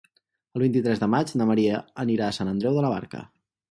El vint-i-tres de maig na Maria anirà a Sant Andreu de la Barca.